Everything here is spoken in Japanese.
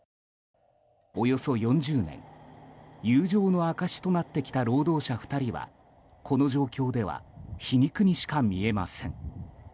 およそ４０年友情の証しとなってきた労働者２人はこの状況では皮肉にしか見えません。